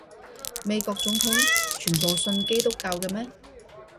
美國總統全部信基督教嘅咩？